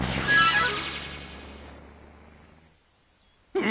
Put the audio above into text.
うん？